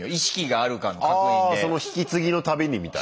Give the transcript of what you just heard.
あその引き継ぎの度にみたいな？